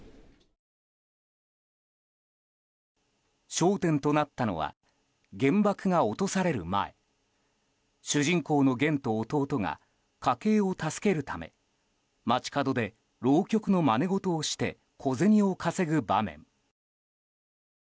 焦点となったのは原爆が落とされる前主人公のゲンと弟が家計を助けるため街角で浪曲のまね事をして小銭を稼ぐ場面。